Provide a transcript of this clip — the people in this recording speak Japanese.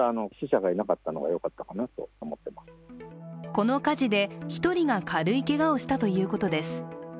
この火事で１人が軽いけがをしたということです。